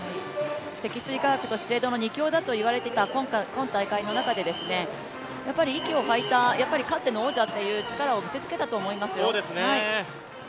積水化学と資生堂の２強だと言われた今大会の中で、かつての王者という力を見せつけたなと思います。